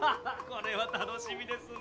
これは楽しみですね。